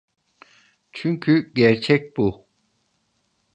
Çünkü gerçek bu.